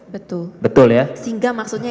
betul betul ya sehingga maksudnya